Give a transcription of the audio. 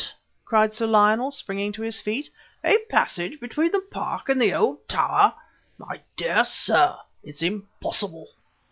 cried Sir Lionel, springing to his feet "a passage between the Park and the old tower! My dear sir, it's impossible!